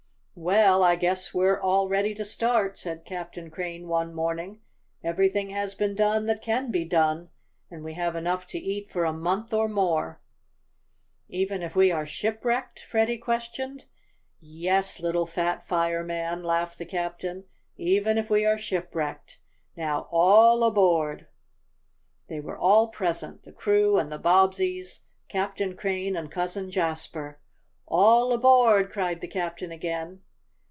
"Well, I guess we're all ready to start," said Captain Crane one morning. "Everything has been done that can be done, and we have enough to eat for a month or more." "Even if we are shipwrecked?" Freddie questioned. "Yes, little fat fireman," laughed the captain. "Even if we are shipwrecked. Now, all aboard!" They were all present, the crew and the Bobbseys, Captain Crane and Cousin Jasper. "All aboard!" cried the captain again.